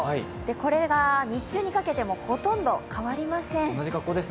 これが日中にかけてもほとんど変わりません。